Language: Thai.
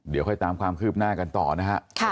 เดี๋ยวค่อยตามความคืบหน้ากันต่อนะฮะ